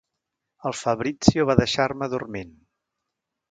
El Fabrizio va deixar-me dormint.